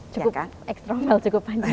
cukup extra mile cukup panjang